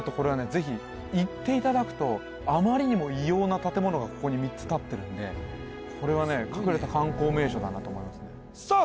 ぜひ行っていただくとあまりにも異様な建物がここに３つ立ってるんでこれはね隠れた観光名所だなと思いますねさあ